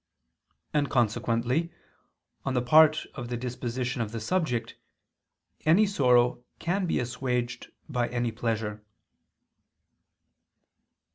And consequently, on the part of the disposition of the subject, any sorrow can be assuaged by any pleasure.